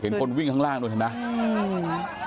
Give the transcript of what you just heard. เห็นคนวิ่งข้างล่างด้วยใช่ไหม